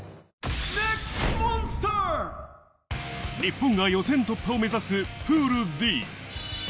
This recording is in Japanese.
日本が予選突破を目指すプールＤ。